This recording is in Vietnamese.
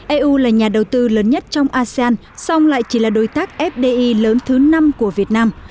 eu là nhà đầu tư lớn nhất trong asean song lại chỉ là đối tác fdi lớn thứ năm của việt nam